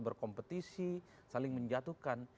berkompetisi saling menjatuhkan